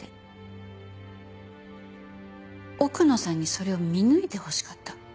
奥野さんにそれを見抜いてほしかった。